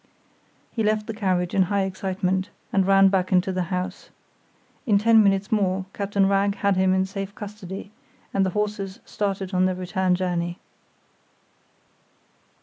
He left the carriage in high excitement, and ran back into the house. In ten minutes more Captain Wragge had him in safe custody, and the horses started on their return journey.